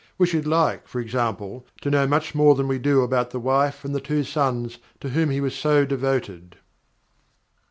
We should like, for example, to know much more than we do about the wife and the two sons to whom he was so devoted.